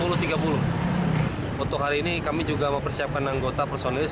untuk hari ini kami juga mempersiapkan anggota personil